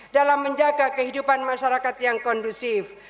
dalam menjaga kehidupan masyarakat yang kondusif